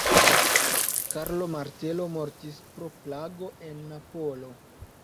Karlo Martelo mortis pro plago en Napolo.